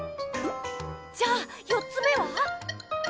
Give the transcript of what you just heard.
じゃあ４つ目は。